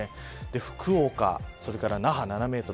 福岡、それから那覇７メートル